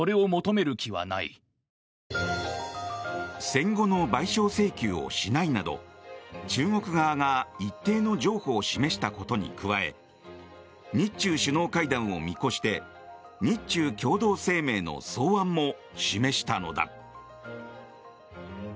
戦後の賠償請求をしないなど中国側が一定の譲歩を示したことに加え日中首脳会談を見越して日中共同声明の草案も示したのだ。